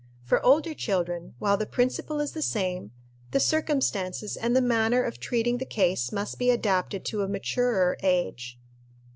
For older children, while the principle is the same, the circumstances and the manner of treating the case must be adapted to a maturer age.